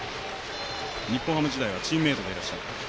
日本ハム時代はチームメートでいらっしゃって。